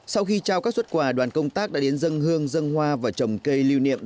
sau khi trao các xuất quà đoàn công tác đã đến dân hương dân hoa và trồng cây lưu niệm